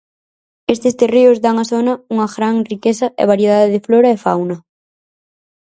Estes terreos dan á zona unha gran riqueza e variedade de flora e fauna.